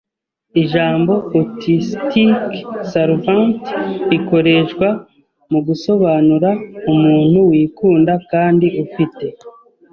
Ijambo "autistic savant" rikoreshwa mugusobanura umuntu wikunda kandi ufite